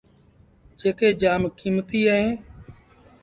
جيڪي جآم ڪيمتيٚ اهين۔